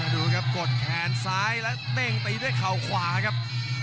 ดูครับกดแขนซ้ายและเต้งตีด้วยเข่าขวาครับ